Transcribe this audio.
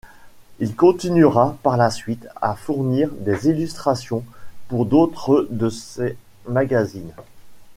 Il continuera, par la suite, à fournir des illustrations pour d'autres de ces magazines.